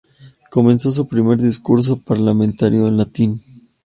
Comenzó su primer discurso parlamentario en latín.